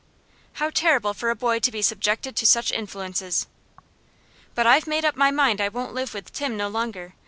"How terrible for a boy to be subjected to such influences." "But I've made up my mind I won't live with Tim no longer.